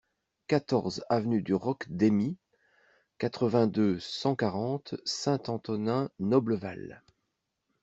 quatorze avenue du Roc Deymie, quatre-vingt-deux, cent quarante, Saint-Antonin-Noble-Val